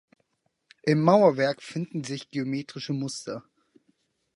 Im Mauerwerk finden sich geometrische Muster.